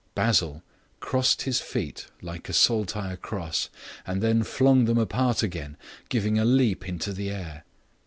Basil crossed his feet like a saltire cross, and then flung them apart again, giving a leap into the air.